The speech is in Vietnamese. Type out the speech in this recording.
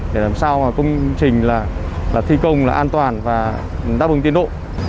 để làm sao công trình thi công an toàn và đáp ứng tiến độ